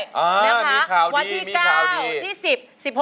มีข่าวดีมีข่าวดีนะครับวันที่๙วันที่๑๐